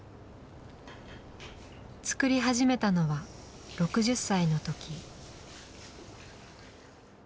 作り始めたのは６０歳の時。